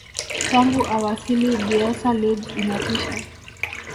tangu awasili bielsa leeds inatisha